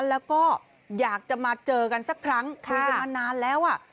แล้วก็อยากจะมาเจอกันสักครั้งคุยกันมานานแล้วอ่ะ